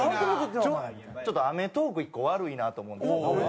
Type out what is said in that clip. ちょっと『アメトーーク』１個悪いなと思うんですけど。